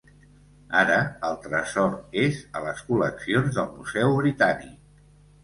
Ara, el tresor és a les col·leccions del Museu Britànic.